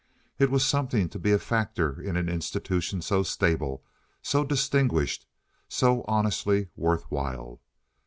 It was something to be a factor in an institution so stable, so distinguished, so honestly worth while.